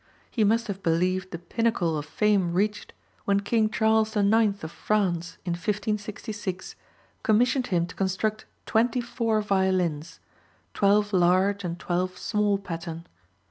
He must have believed the pinnacle of fame reached when King Charles IX. of France, in 1566, commissioned him to construct twenty four violins, twelve large and twelve small pattern.